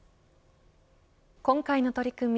今回の取り組み